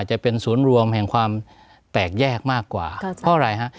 จะเป็นศูนย์รวมแห่งความแตกแยกมากกว่าเพราะอะไรฮะ